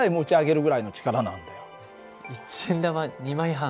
一円玉２枚半？